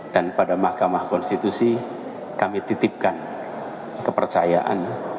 dan pada mahkamah konstitusi kami titipkan kepercayaan